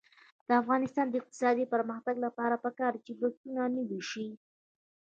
د افغانستان د اقتصادي پرمختګ لپاره پکار ده چې بسونه نوي شي.